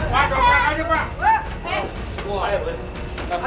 mas jangan banyak banyak pak